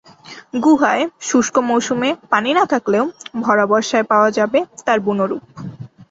গুহায় শুষ্ক মৌসুমে পানি না থাকলেও ভরা বর্ষায় পাওয়া যাবে তার বুনো রূপ।